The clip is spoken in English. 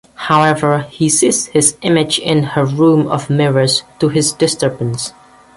However, he sees his image in her room of mirrors, to his disturbance.